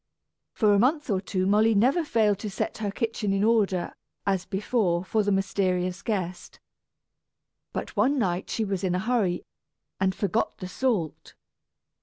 For a month or two Molly never failed to set her kitchen in order, as before, for the mysterious guest. But one night she was in a hurry, and forgot the salt.